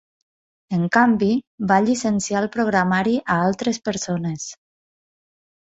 En canvi, va llicenciar el programari a altres persones.